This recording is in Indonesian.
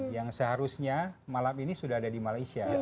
yang seharusnya malam ini sudah ada di malaysia